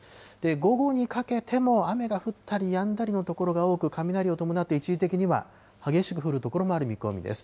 午後にかけても雨が降ったりやんだりの所が多く、雷を伴って、一時的には激しく降る所もある見込みです。